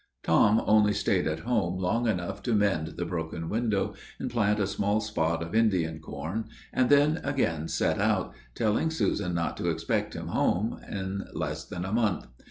Tom only staid at home long enough to mend the broken window, and plant a small spot of Indian corn, and then again set out, telling Susan not to expect him home in less than a month.